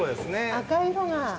赤い色が。